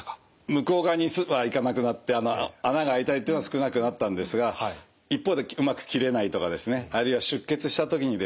向こう側にはすぐ行かなくなって穴があいたりっていうのは少なくなったんですが一方でうまく切れないとかですねあるいは出血した時にですね